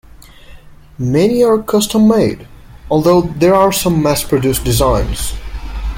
Many are custom-made, although there are some mass-produced designs.